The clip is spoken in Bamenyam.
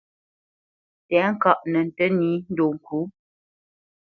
Tɛ̌ŋkaʼ nə ntə́ nǐ ndo ŋkǔ.